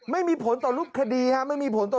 ไม่มีผลต่อลุกคดี